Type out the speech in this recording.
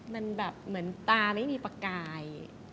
มันแบบเหมือนตาไม่มีประกาย